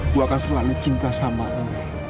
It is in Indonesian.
gue akan selalu cinta sama lo